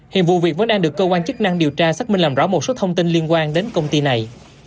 hiện vụ việc vẫn đang được cơ quan chức năng điều tra xác minh làm rõ một số thông tin liên quan đến công ty này